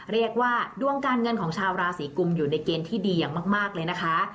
เรียกว่าดวงการเงินของชาวราศีกุมอยู่ในเกณฑ์ที่ดีอย่างมากเลยนะคะ